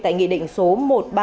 tại nghị định số